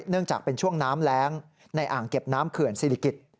เนื่องจากเป็นช่วงน้ำแรงในอ่างเก็บน้ำเขื่อนศิริกิจ